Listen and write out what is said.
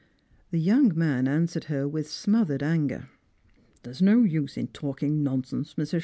The young man answered her with smothered anger. "There's no use in talking nonsense, Mi s.